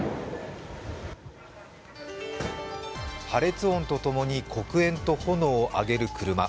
破裂音とともに黒煙と炎を上げる車。